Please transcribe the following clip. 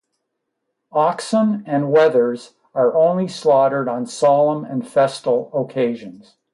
Oxen and wethers are only slaughtered on solemn and festal occasions.